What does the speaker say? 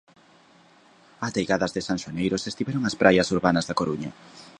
Ateigadas de sanxoaneiros estiveron as praias urbanas da Coruña.